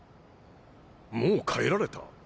もう帰られた？